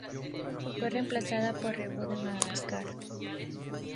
Fue reemplazada por "Revue de Madagascar"